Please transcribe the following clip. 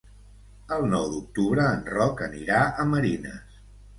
El nou d'octubre en Roc anirà a Marines.